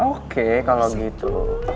oke kalau gitu